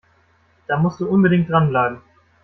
Da musst du unbedingt dranbleiben!